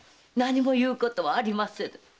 何も言うことはありません。